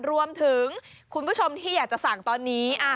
คุณผู้ชมที่อยากจะสั่งตอนนี้